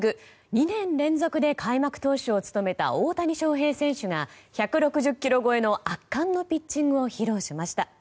２年連続で開幕投手を務めた大谷翔平選手が１６０キロ超えの圧巻のピッチングを披露しました。